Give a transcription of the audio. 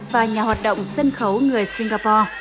và nhà hoạt động sân khấu người singapore